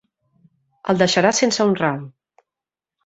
El deixarà sense un ral.